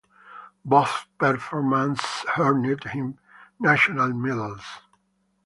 Both performances earned him national medals.